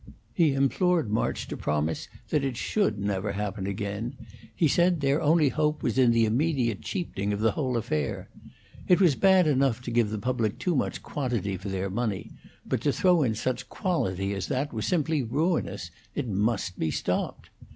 He implored March to promise that it should never happen again; he said their only hope was in the immediate cheapening of the whole affair. It was bad enough to give the public too much quantity for their money, but to throw in such quality as that was simply ruinous; it must be stopped.